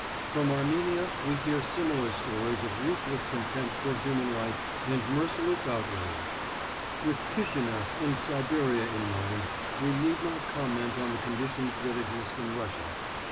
From Armenia we hear similar stories of ruthless contempt for human life and merciless outrage. With Kishineff and Siberia in mind, we need not comment on the conditions that exist in Russia.